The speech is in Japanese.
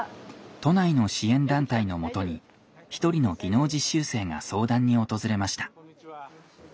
都内の支援団体のもとに一人の技能実習生が相談に訪れました。